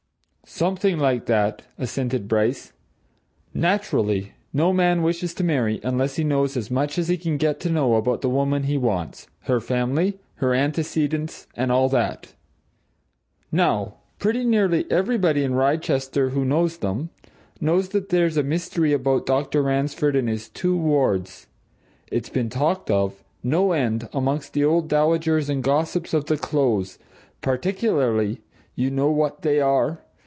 "Something like that," assented Bryce. "Naturally no man wishes to marry unless he knows as much as he can get to know about the woman he wants, her family, her antecedents and all that. Now, pretty nearly everybody in Wrychester who knows them, knows that there's a mystery about Dr. Ransford and his two wards it's been talked of, no end, amongst the old dowagers and gossips of the Close, particularly you know what they are!